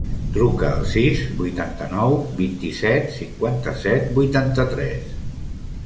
Truca al sis, vuitanta-nou, vint-i-set, cinquanta-set, vuitanta-tres.